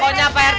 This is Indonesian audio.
pokoknya pak rt